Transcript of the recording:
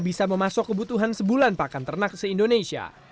bisa memasuk kebutuhan sebulan pakan ternak se indonesia